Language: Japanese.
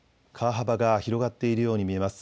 川幅が広がっているように見えます。